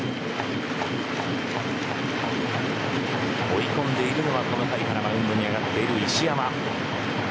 追い込んでいるのはこの回からマウンドに上がっている石山。